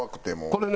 これね